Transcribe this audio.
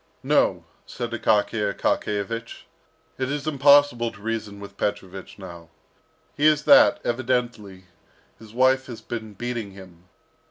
"No," said Akaky Akakiyevich, "it is impossible to reason with Petrovich now. He is that evidently, his wife has been beating him.